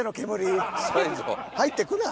入ってくな。